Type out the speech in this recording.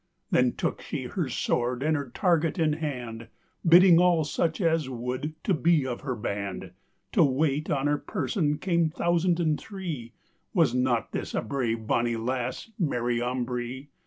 Then tooke shee her sworde and her targett in hand, Bidding all such, as wold, [to] bee of her band; To wayte on her person came thousand and three: Was not this a brave bonny lasse, Mary Ambree?